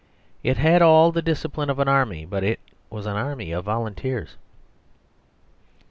It had all the dis cipline of an army; but it was an army of vol unteers.